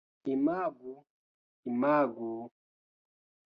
Imagu... imagu...